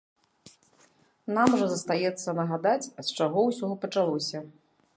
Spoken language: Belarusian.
Нам жа застаецца нагадаць, з чаго ўсё пачалося.